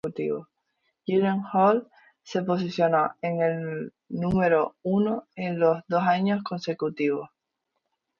Gyllenhaal se posicionó en el número uno en los dos años consecutivos.